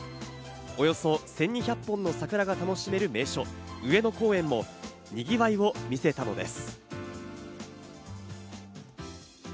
およそ１２００本の桜が楽しめる名所・上野公園もにぎわいを見せたのです。